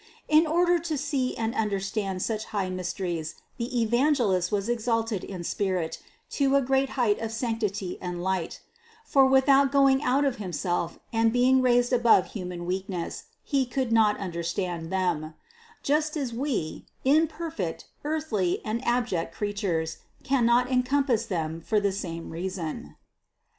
In order to see and under stand such high mysteries the Evangelist was exalted in spirit to a great height of sanctity and light; for with out going out of himself and being raised above human weakness, he could not understand them; just as we, imperfect, earthly and abject creatures, cannot encom pass them for the same reason.